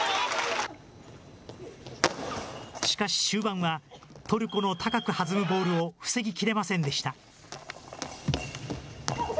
しかし、終盤はトルコの高く弾むボールを、防ぎきれませんでした。